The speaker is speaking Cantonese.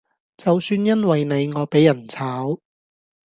就算因為你我比人炒